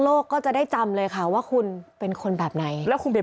ก็จะได้จำเลยค่ะว่าคุณเป็นคนแบบไหนแล้วคุณเป็น